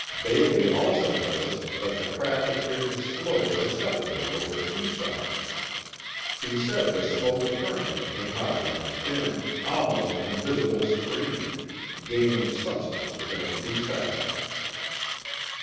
Bailey also noticed that the craft appeared to slow perceptibly over Tucson. He said the smoke apparently came out in a thin, almost invisible stream, gaining substance within a few seconds.